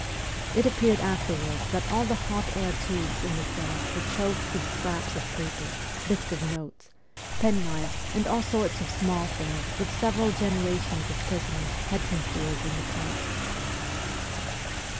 It appeared afterwards that all the hot air tubes in the cells were choked with scraps of paper, bits of notes, penknives, and all sorts of small things which several generations of prisoners had concealed in the pipes.